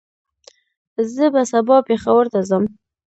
زه به سبا پېښور ته ځم